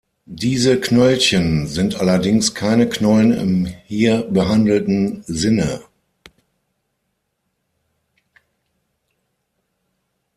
Diese Knöllchen sind allerdings keine Knollen im hier behandelten Sinne.